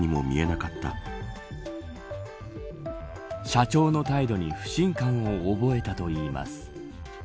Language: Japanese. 社長の態度に不信感を覚えたといいます。